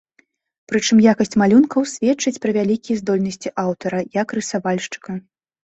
Прычым якасць малюнкаў сведчыць пра вялікія здольнасці аўтара, як рысавальшчыка.